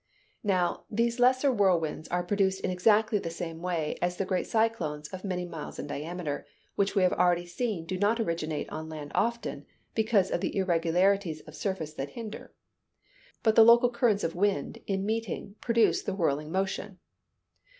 Now, these lesser whirlwinds are produced in exactly the same way as the great cyclones of many miles in diameter, which we have already seen do not originate on land often, because of the irregularities of surface that hinder. But the local currents of wind, in meeting, produce the whirling motion.